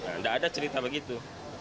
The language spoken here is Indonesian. tidak ada cerita begitu